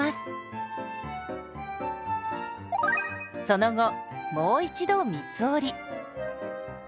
その後もう一度三つ折り。